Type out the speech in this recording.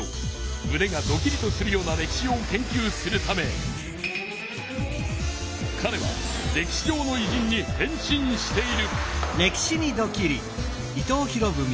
むねがドキリとするような歴史を研究するためかれは歴史上のいじんに変身している。